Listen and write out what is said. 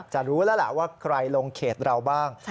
จะรู้แล้วล่ะว่าใครลงเขตเราบ้าง